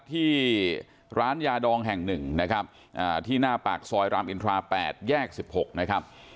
ที่ร้านยาดองแห่งหนึ่งที่หน้าปากซอยรามอินทราแนบ๘๑๖